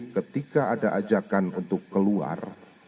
ketika ada ajakan untuk keluar